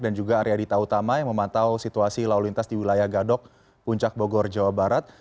dan juga arya dita utama yang memantau situasi lalu lintas di wilayah gandok puncak bogor jawa barat